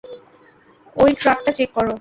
ওই ট্রাকটা চেক কর।